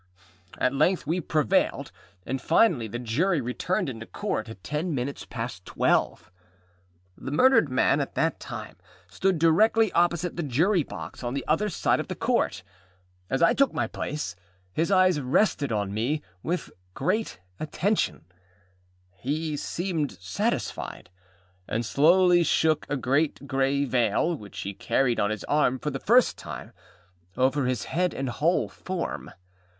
At length we prevailed, and finally the Jury returned into Court at ten minutes past twelve. The murdered man at that time stood directly opposite the Jury box, on the other side of the Court. As I took my place, his eyes rested on me with great attention; he seemed satisfied, and slowly shook a great gray veil, which he carried on his arm for the first time, over his head and whole form.